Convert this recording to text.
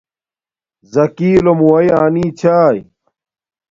زَکی لومُوائ آنی چھݳئ